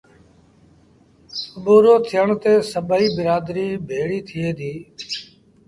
سُڀورو ٿيڻ تي سڀئيٚ برآدريٚ ڀيڙيٚ ٿئي ديٚ